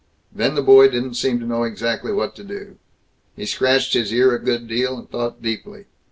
Then the boy didn't seem to know exactly what to do. He scratched his ear a good deal, and thought deeply.